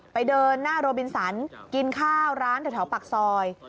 เดินหน้าโรบินสันกินข้าวร้านแถวปากซอย